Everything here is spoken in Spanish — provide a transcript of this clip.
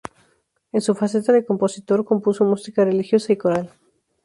En su faceta de compositor, compuso música religiosa y coral.